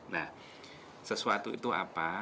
nah sesuatu itu apa